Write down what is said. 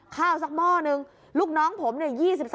ข้าวสักหม้อนึงลูกน้องผมเนี่ย๒๓